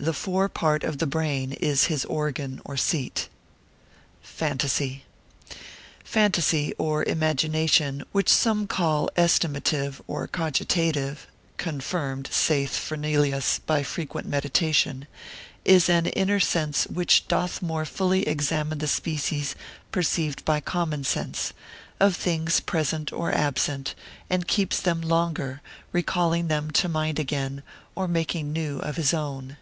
The fore part of the brain is his organ or seat. Phantasy.] Phantasy, or imagination, which some call estimative, or cogitative, (confirmed, saith Fernelius, by frequent meditation,) is an inner sense which doth more fully examine the species perceived by common sense, of things present or absent, and keeps them longer, recalling them to mind again, or making new of his own.